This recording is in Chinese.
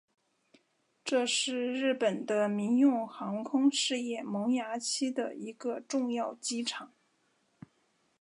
这是日本的民用航空事业萌芽期的一个重要机场。